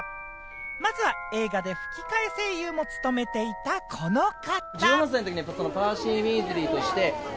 まずは映画で吹き替え声優も務めていた、この方。